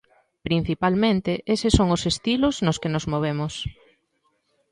Principalmente eses son os estilos nos que nos movemos.